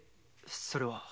それは。